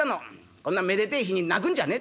『こんなめでてえ日に泣くんじゃねえ』